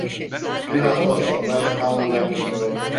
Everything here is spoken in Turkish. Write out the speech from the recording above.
Bir hafta sonra İstanbul'a gidiyorum!